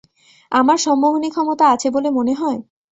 আমার সম্মোহনীক্ষমতা আছে বলে মনে হয়?